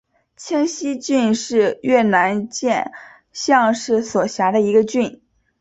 清溪郡是越南岘港市所辖的一个郡。